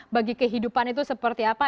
bagi kehidupan itu seperti apa